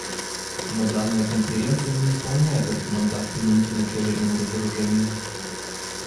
Но данная Конференция не исполняет этот мандат применительно к ядерному разоружению.